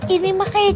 ini mak kayak cerita